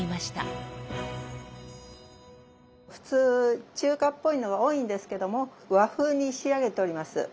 普通中華っぽいのが多いんですけども和風に仕上げております。